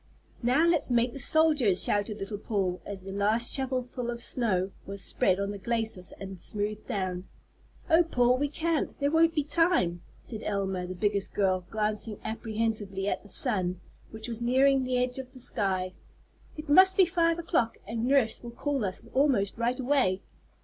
"Now let's make the soldiers," shouted little Paul as the last shovel full of snow was spread on the glacis and smoothed down. "Oh, Paul, we can't, there won't be time," said Elma, the biggest girl, glancing apprehensively at the sun, which was nearing the edge of the sky. "It must be five o'clock, and nurse will call us almost right away."